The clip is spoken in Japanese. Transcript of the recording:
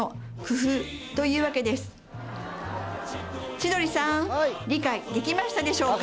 千鳥さん理解できましたでしょうか？